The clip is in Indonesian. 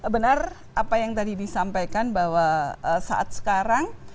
benar apa yang tadi disampaikan bahwa saat sekarang